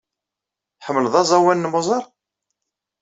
Tḥemmleḍ aẓawan n Mozart?